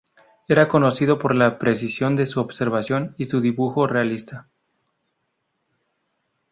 Era conocido por la precisión de su observación y su dibujo realista.